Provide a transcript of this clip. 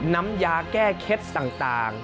น้ำยาแก้เคล็ดต่าง